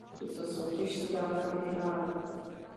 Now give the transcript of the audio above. Tuto soutěž studánka vyhrála.